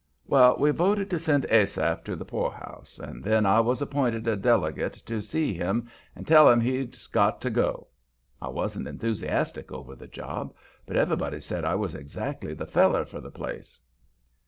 Well, we voted to send Asaph to the poorhouse, and then I was appointed a delegate to see him and tell him he'd got to go. I wasn't enthusiastic over the job, but everybody said I was exactly the feller for the place.